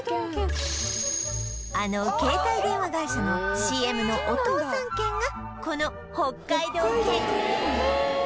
あの携帯電話会社の ＣＭ のお父さん犬がこの北海道犬